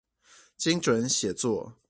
精準寫作